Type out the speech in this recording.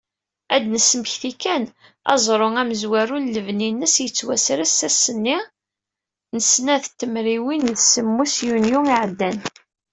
Ad d-nesmekti kan, aẓru amezwau n lebni-nsen, yettwasers ass-nni n snat tmerwin d semmus yunyu iɛeddan.